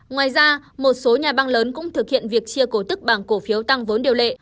ngoài ra một số nhà băng lớn cũng thực hiện việc chia cổ tức bằng cổ phiếu tăng vốn điều lệ